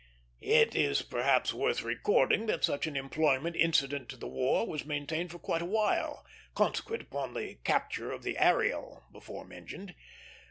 It is perhaps worth recording that such an employment incident to the war was maintained for quite a while, consequent upon the capture of the Ariel, before mentioned.